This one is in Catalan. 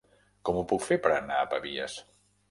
Com ho puc fer per anar a Pavies?